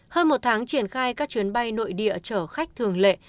hơn một tháng triển khai các chuyến bay nội địa chở khách thường lệ